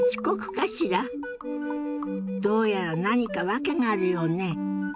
どうやら何か訳があるようね。